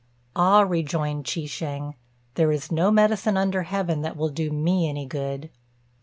"Ah," rejoined Chi shêng, "there's no medicine under heaven that will do me any good."